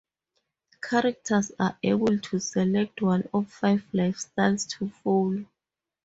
Characters are able to select one of five lifestyles to follow.